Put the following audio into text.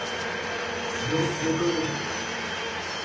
そりゃ最高の。